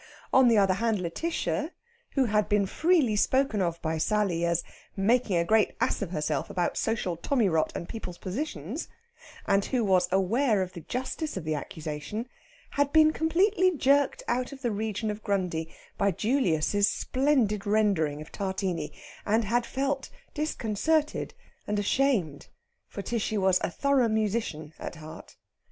On the other hand, Lætitia, who had been freely spoken of by Sally as "making a great ass of herself about social tommy rot and people's positions," and who was aware of the justice of the accusation, had been completely jerked out of the region of Grundy by Julius's splendid rendering of Tartini, and had felt disconcerted and ashamed; for Tishy was a thorough musician at heart.